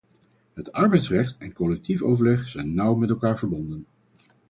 Het arbeidsrecht en collectief overleg zijn nauw met elkaar verbonden.